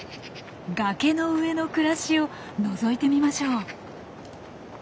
崖の上の暮らしをのぞいてみましょう。